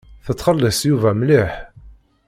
Tettxelliṣ Yuba mliḥ.